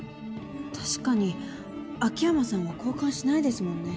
確かに秋山さんは交換しないですもんね。